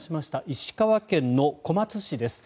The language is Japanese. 石川県の小松市です。